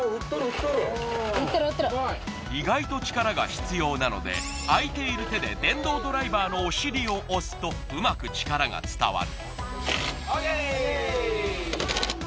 意外と力が必要なので、あいている手で電動ドライバーのお尻を押すとうまく力が伝わる。